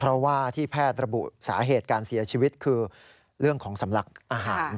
เพราะว่าที่แพทย์ระบุสาเหตุการเสียชีวิตคือเรื่องของสำลักอาหาร